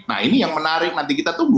nah ini yang menarik nanti kita tunggu